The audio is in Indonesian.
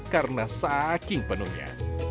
karena saking penuhnya